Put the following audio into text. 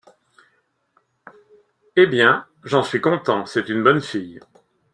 Eh ! bien, j’en suis content, c’est une bonne fille.